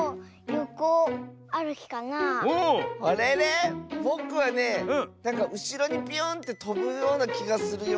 あれれ⁉ぼくはねなんかうしろにビューンってとぶようなきがするよ。